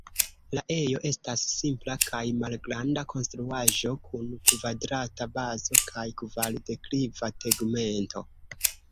La ejo estas simpla kaj malgranda konstruaĵo kun kvadrata bazo kaj kvar-dekliva tegmento.